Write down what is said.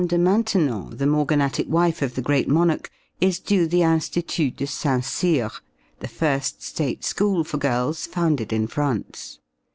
de Maintenon, the morganatic wife of the Great Monarch, is due the Institut de Saint Cyr, the first state school for girls founded in France.